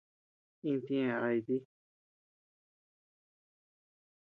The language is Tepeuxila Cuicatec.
Intieʼë ay dí.